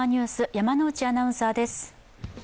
山内アナウンサーです。